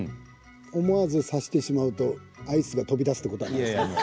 思わず、差してしまうとアイスが飛び出すということは？